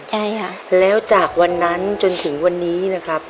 ใช่ค่ะแล้วจากวันนั้นจนถึงวันนี้นะครับ